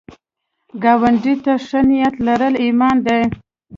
ګاونډي ته ښه نیت لرل ایمان ده